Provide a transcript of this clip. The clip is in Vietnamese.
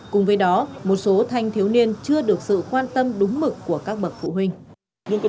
cùng với đó một số thanh thiếu niên chưa được sự quan tâm đúng mực của các bậc phụ huynh